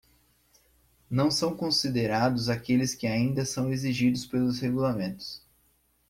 Não são considerados aqueles que ainda são exigidos pelos regulamentos.